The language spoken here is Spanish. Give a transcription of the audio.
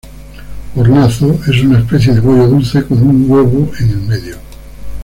Hornazo: es una especie de bollo dulce con un huevo en el medio.